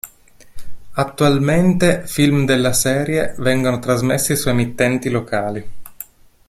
Attualmente film della serie vengono trasmessi su emittenti locali.